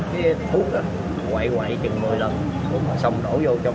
cái thuốc quậy quậy chừng một mươi lần xong đổ vô trong